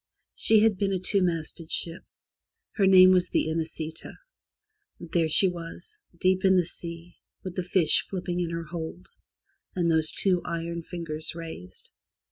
She had been a two masted ship. Her name was the Inesita, There she was, deep in the sea, with the fish flipping in her hold, and those two iron fingers raised.